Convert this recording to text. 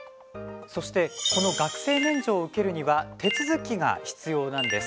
そしてこの学生免除を受けるには手続きが必要なんです。